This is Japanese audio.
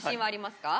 あります。